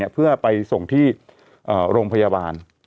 เพื่อไปส่งที่โรงพยาบาล